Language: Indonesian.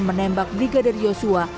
menembak brigadier joshua